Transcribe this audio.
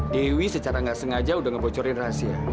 dewi secara nggak sengaja udah ngebocorin rahasia